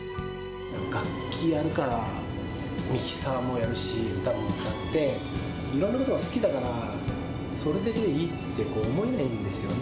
楽器やるからミキサーもやるし、歌も歌って、いろいろなことが好きだから、それだけでいいって思えないんですよね。